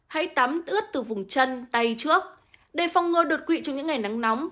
hãy tắm ướt từ vùng chân tay trước để phòng ngừa đột quỵ trong những ngày nắng nóng